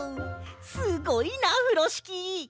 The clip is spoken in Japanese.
すごいなふろしき！